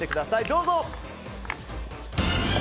どうぞ！